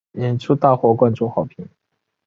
演出大获观众好评。